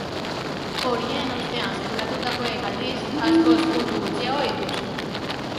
Horien ostean sailkatutakoek, aldiz, askoz puntu gutxiago dituzte.